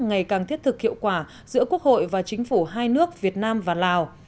ngày càng thiết thực hiệu quả giữa quốc hội và chính phủ hai nước việt nam và lào